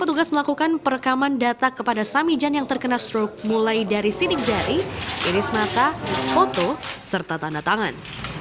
petugas melakukan perekaman data kepada samijan yang terkena stroke mulai dari sidik jari iris mata foto serta tanda tangan